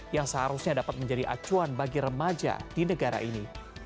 yang seharusnya dapat menjadi acuan bagi remaja di negara ini